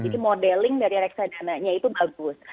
jadi modeling dari reksadananya itu bagus